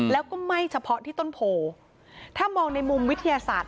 แล้วก็ไหม้เฉพาะที่ต้นโพถ้ามองในมุมวิทยาศาสตร์